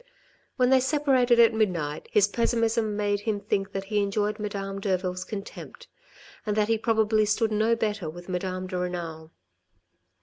When they separated at midnight, his pessimism made him think that he enjoyed Madame Derville's contempt, and that probably he stood no better with Madame de Renal.